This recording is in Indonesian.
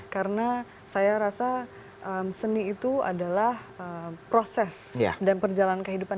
karena saya rasa seni itu adalah proses dan perjalanan kehidupan